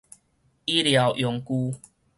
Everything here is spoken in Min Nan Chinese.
醫療用具